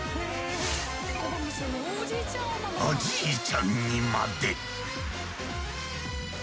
おじいちゃんにまで。